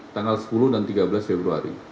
tanggal sepuluh dan tiga belas februari